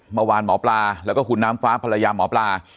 มาวานหมอปลาแล้วก็คุณน้ำฟ้าพลายามหมอปลา